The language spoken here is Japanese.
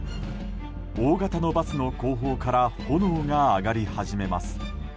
大型のバスの後方から炎が上がり始めます。